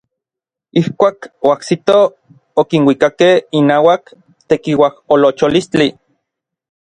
Ijkuak oajsitoj okinuikakej inauak tekiuajolocholistli.